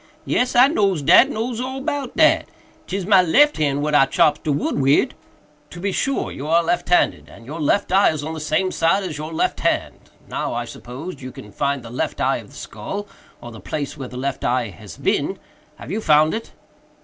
"Yes, I knows dat—knows all about dat—'tis my lef hand what I chops de wood wid." "To be sure! you are left handed; and your left eye is on the same side as your left hand. Now, I suppose, you can find the left eye of the skull, or the place where the left eye has been. Have you found it?"